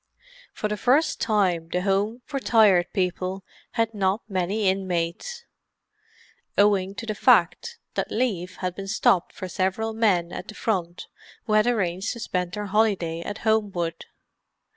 For the first time the Home for Tired People had not many inmates, owing to the fact that leave had been stopped for several men at the Front who had arranged to spend their holiday at Homewood.